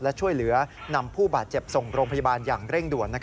และช่วยเหลือนำผู้บาดเจ็บส่งโรงพยาบาลอย่างเร่งด่วน